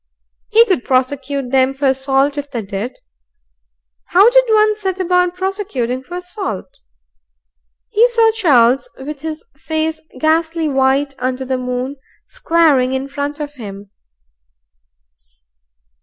He could prosecute them for assault if they did. How did one set about prosecuting for assault? He saw Charles, with his face ghastly white under the moon, squaring in front of him.